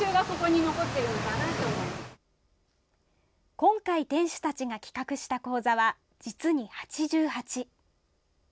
今回、店主たちが企画した講座は実に８８。